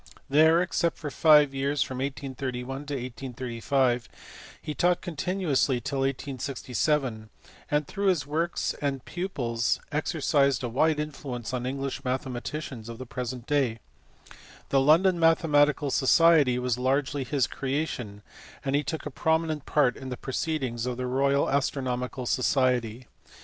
There (except for five years from 1831 to 1835) he taught continuously till 1867, and through his works and pupils exercised a wide influence on English mathematicians of the present day. The London Mathematical Society was largely his creation, and he took a prominent part in the proceedings of the Royal Astronomical Society.